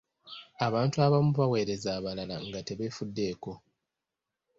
Abantu abamu baweereza abalala nga tebeefuddeko.